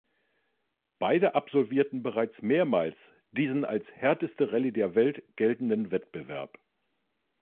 Beide absolvierten bereits mehrmals diesen als härteste Rallye der Welt geltenden Wettbewerb.